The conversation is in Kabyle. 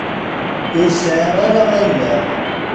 Ur sɛiɣ ara allaɣ.